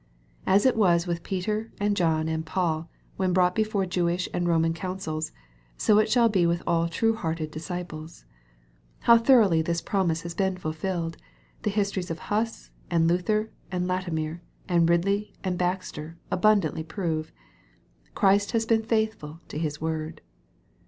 As it was with Peter and John and Paul, when brought before Jewish and Roman councils, so shall it be with all true hearted disciples. How thoroughly this promise has been ful filled, the histories of Huss, and Luther, and Latimer, and Eidley, and Baxter abundantly prove. Christ has been faithful to His word.